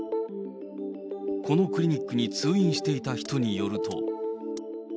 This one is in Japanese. このクリニックに通院していた人によると。